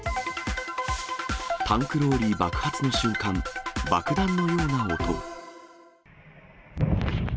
タンクローリー爆発の瞬間、爆弾のような音。